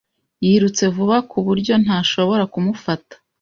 Yirutse vuba ku buryo ntashobora kumufata.